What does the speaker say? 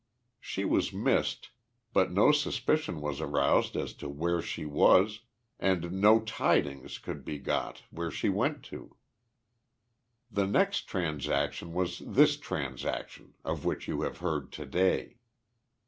She was missed, but no suspicion was aroused as to where she was and no tidings could be got where she went to. The next transaction was this transaction, of which you have heard today.